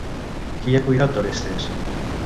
Qui ha cuidat d'Orestes?